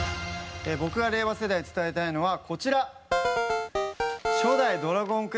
僕が令和世代へ伝えたいのはこちら。